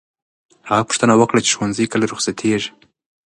هغه پوښتنه وکړه چې ښوونځی کله رخصتېږي.